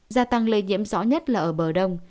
gia tăng lây nhiễm rõ nhất là ở bờ đông